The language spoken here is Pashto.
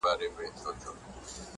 لویه جرګه د افغانانو